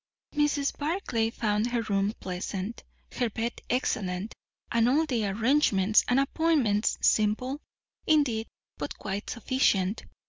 Mrs. Barclay found her room pleasant, her bed excellent, and all the arrangements and appointments simple, indeed, but quite sufficient.